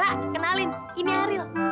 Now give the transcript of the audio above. hakim kenalin ini ariel